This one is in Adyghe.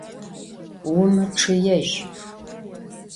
Vumıççıêj!